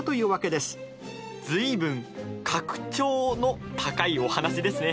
随分格調の高いお話ですね。